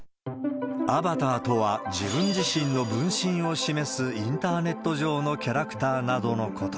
アバターとは、自分自身の分身を示すインターネット上のキャラクターなどのこと。